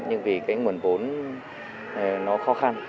nhưng vì nguồn vốn nó khó khăn